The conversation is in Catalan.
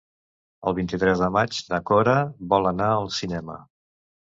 El vint-i-tres de maig na Cora vol anar al cinema.